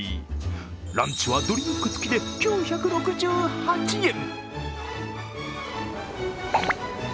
ランチはドリンクつきで９６８円。